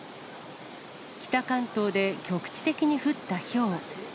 北関東で局地的に降ったひょう。